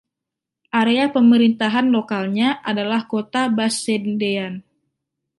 Area pemerintahan lokalnya adalah Kota Bassendean.